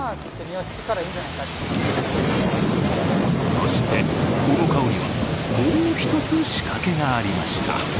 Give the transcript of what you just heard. そして、この顔にはもう１つ仕掛けがありました。